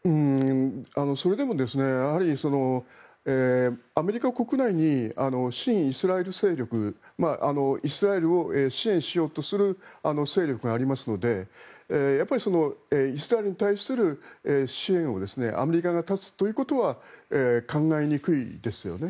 それでもアメリカ国内に親イスラエル勢力イスラエルを支援しようとする勢力がありますのでイスラエルに対する支援をアメリカが断つということは考えにくいですよね。